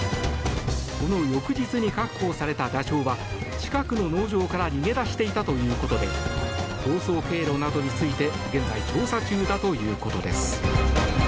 この翌日に確保されたダチョウは近くの農場から逃げ出していたということで逃走経路などについて現在、調査中だということです。